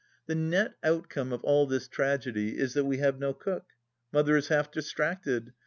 The net outcome of all this tragedy is, that we have no cook. Mother is half distracted.